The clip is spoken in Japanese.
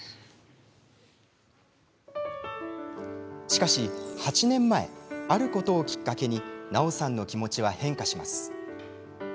しかし、８年前あることをきっかけに奈緒さんの気持ちは変化します。